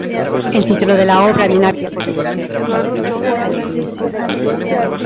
El título de la obra bien habría podido ser "El triunfo de la Iglesia".